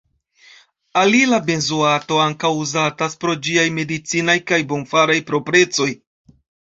Alila benzoato ankaŭ uzatas pro ĝiaj medicinaj kaj bonfaraj proprecoj.